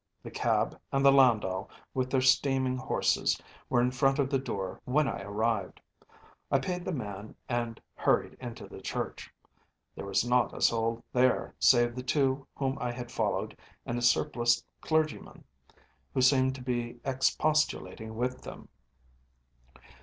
The cab and the landau with their steaming horses were in front of the door when I arrived. I paid the man and hurried into the church. There was not a soul there save the two whom I had followed and a surpliced clergyman, who seemed to be expostulating with them.